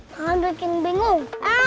jangan bikin bingung